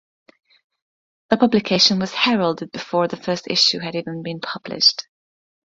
The publication was heralded before the first issue had even been published.